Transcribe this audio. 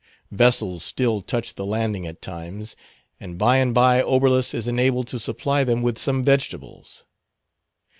Vessels still touch the Landing at times; and by and by Oberlus is enabled to supply them with some vegetables.